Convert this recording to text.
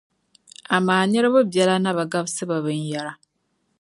Amaa niriba biɛla na bi gabisi be binyɛra.